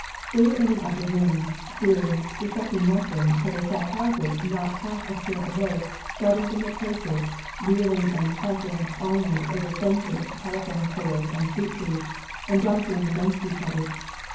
They were in an upper room, fearing, suspecting nothing, till they saw houses not half a square away starting from their places, reeling and crackling onward over fences, telephone poles and fruit trees, and jostling against each other.